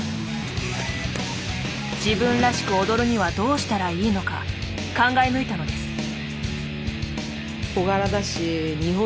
自分らしく踊るにはどうしたらいいのか考え抜いたのです。